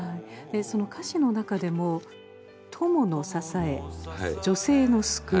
その歌詞の中でも「友の支え女性の救い